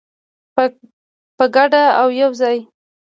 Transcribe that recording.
په ګډه او یوځای.